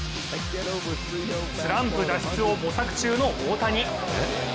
スランプ脱出を模索中の大谷。